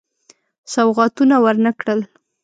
سوغاتونه ورنه کړل.